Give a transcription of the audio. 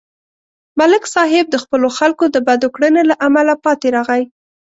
ملک صاحب د خپلو خلکو د بدو کړنو له امله پاتې راغی